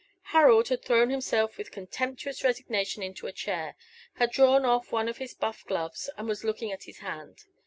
Harold had thrown himself with contemptuous resignation into a chair, had drawn off one of his buff gloves, and was looking at his hand.